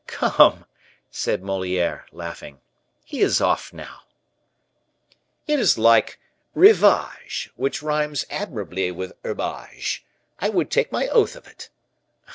"Come," said Moliere, laughing, "he is off now." "It is like rivage, which rhymes admirably with herbage. I would take my oath of it."